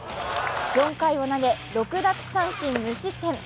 ４回を投げ６奪三振無失点。